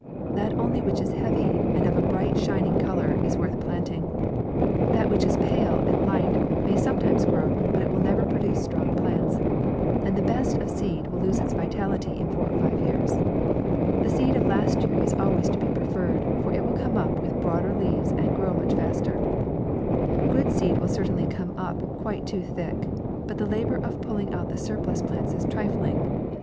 That only which is heavy, and of a bright shining colour, is worth planting. That which is pale and light may sometimes grow, but will never produce strong plants ; and the best of seed will lose its vitality in four or five years. The seed of last year is always to be preferred, for it will come up with broader leaves, and grow much faster. Good seed will certainly come up quite too thick ; but the labour of pulling out the surplus plants is trifling, and MAY.